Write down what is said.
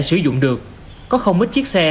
sử dụng được có không ít chiếc xe